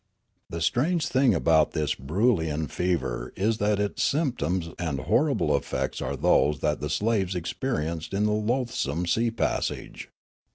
"The strange thing about this Broolyian fever is that its symptoms and horrible effects are those that the slaves experienced in the loathsome sea passage.